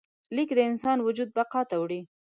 لیک د انسان وجود بقا ته وړي.